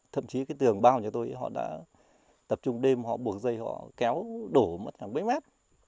thậm chí cái tường bao nhà tôi họ đã tập trung đêm họ buộc dây họ kéo đổ mất hàng mấy mét